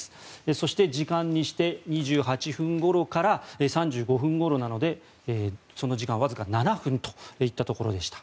そして時間にして２８分ごろから３５分ごろなのでその時間わずか７分といったところです。